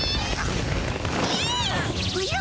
おじゃ？